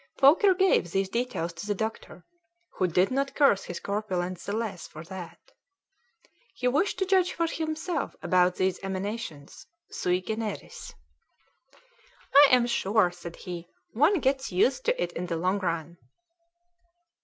Foker gave these details to the doctor, who did not curse his corpulence the less for that. He wished to judge for himself about these emanations, sui generis. "I am sure," said he, "one gets used to it in the long run."